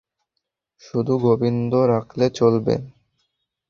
শুধু গোবিন্দ রাখলে চলবে?